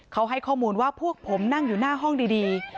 เขาให้ข้อมูลว่าพวกผมนั่งอยู่หน้าห้องดี